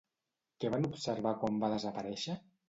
Què van observar quan va desaparèixer?